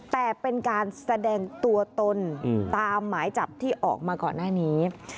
แต่เป็นการแสดงตัวตนตามหมายจับที่ออกมาก่อนหน้านี้